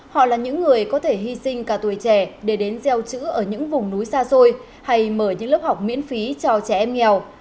họ là những người có thể hy sinh cả tuổi trẻ để đến gieo chữ ở những vùng núi xa xôi hay mở những lớp học miễn phí cho trẻ em nghèo